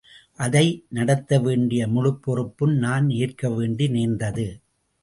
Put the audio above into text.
அதை நடத்தவேண்டிய முழுப் பொறுப்பும் நான் ஏற்கவேண்டி நேர்ந்தது.